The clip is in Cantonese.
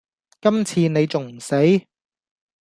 今次你仲唔死